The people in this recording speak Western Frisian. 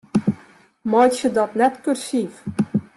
Meitsje dat net kursyf.